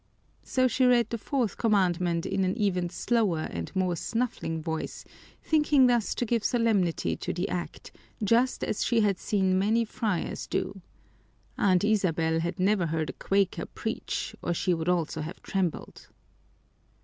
So she read the fourth commandment in an even slower and more snuffling voice, thinking thus to give solemnity to the act, just as she had seen many friars do. Aunt Isabel had never heard a Quaker preach or she would also have trembled.